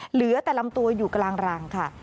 เหลือแต่ลำตัวอยู่กลางรังค่ะ